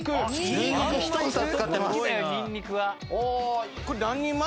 ニンニク１房使ってます。